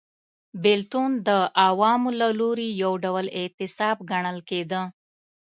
بېلتون د عوامو له لوري یو ډول اعتصاب ګڼل کېده